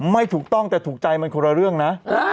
ไม่ถูกต้องแต่ถูกใจมันคนละเรื่องนะ